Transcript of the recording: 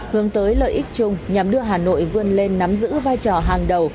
hướng tới lợi ích chung nhằm đưa hà nội vươn lên nắm giữ vai trò hàng đầu